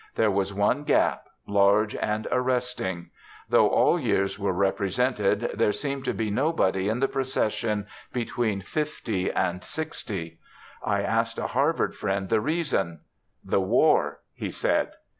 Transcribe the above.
There was one gap, large and arresting. Though all years were represented, there seemed to be nobody in the procession between fifty and sixty. I asked a Harvard friend the reason. "The War," he said.